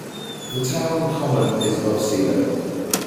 The town common is above sea level.